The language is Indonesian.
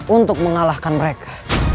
untuk mengalahkan mereka